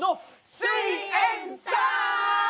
すイエんサー！